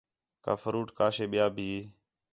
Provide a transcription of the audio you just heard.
کا فروٹ کا شے ٻِیا بھی